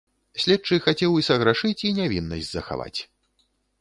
Следчы хацеў і саграшыць і нявіннасць захаваць.